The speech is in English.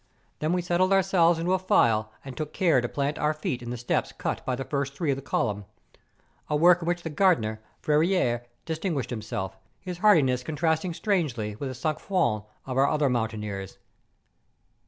Then we settled ourselves into a file and took care to plant our feet in the steps cut by the three first of the column, a work in which the gardener, Ferriere, distinguished himself, his heartiness contrasting strangely with the sang froid of our other moun¬ taineers.